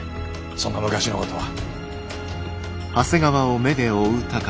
そんな昔のことは。